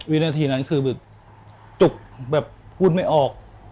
วินาทีนั้นคือแบบจุกแบบพูดไม่ออก